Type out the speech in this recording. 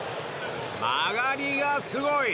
曲がりがすごい！